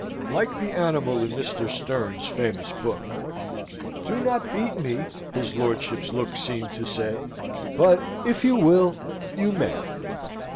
Like the animal in Mr. Sterne's famous book, "Do not beat me," his lordship's look seemed to say, "but, if you will, you may."